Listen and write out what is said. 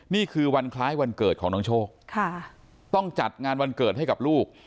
นี่คือวันคล้ายวันเกิดของน้องโชคต้องจัดงานวันเกิดให้กับลูก